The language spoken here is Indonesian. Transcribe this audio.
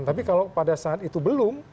tapi kalau pada saat itu belum